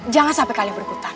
jangan sampai kalian berhutang